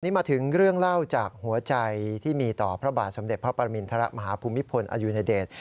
นี่มาถึงเรื่องเล่าจากหัวใจที่มีต่อพระบาทสมเด็จพระปรมินทรมาฮภูมิพลอดุญเดช